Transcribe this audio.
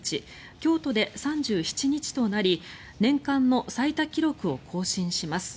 京都で３７日となり年間の最多記録を更新します。